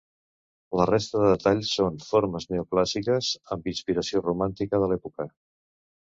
La resta de detalls són formes neoclàssiques amb inspiració romàntica de l'època.